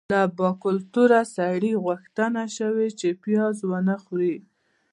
له باکلتوره سړي غوښتنه شوې چې پیاز ونه خوري.